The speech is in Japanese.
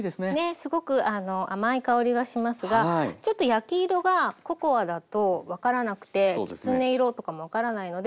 すごく甘い香りがしますがちょっと焼き色がココアだと分からなくてきつね色とかも分からないので。